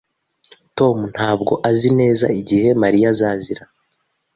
Tom ntabwo azi neza igihe Mariya azazira